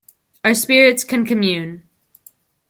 Our spirits can commune.